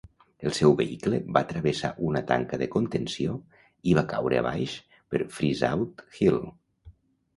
El seu vehicle va travessar una tanca de contenció i va caure abaix per Freezeout Hill.